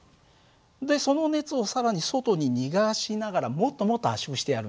でその熱を更に外に逃がしながらもっともっと圧縮してやるんだ。